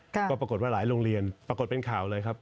ก็ปรากฏว่าหลายโรงเรียนปรากฏเป็นข่าวเลยครับ